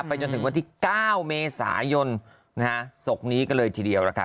จนถึงวันที่๙เมษายนนะฮะศพนี้ก็เลยทีเดียวล่ะค่ะ